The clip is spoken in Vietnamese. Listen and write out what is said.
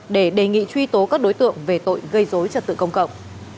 để đề nghị truy tố các đối tượng về tội gây dối trật tự công cộng